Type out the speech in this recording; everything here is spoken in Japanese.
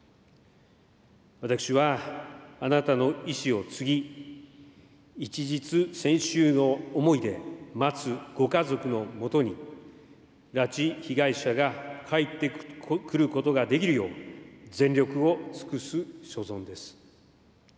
私はあなたの遺志を継ぎ、一日千秋の思いで待つご家族のもとに、拉致被害者が帰ってくることができるよう、全力を尽くす所存です。